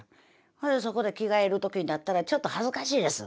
そいでそこで着替える時になったらちょっと恥ずかしいです。